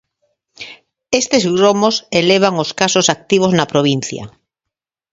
Estes gromos elevan os casos activos na provincia.